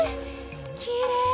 きれい！